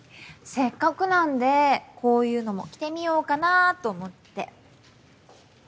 せっかくなんでこういうのも着てみようかなと思って。